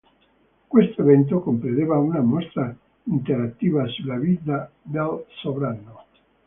Questo evento comprendeva una mostra interattiva sulla vita del sovrano.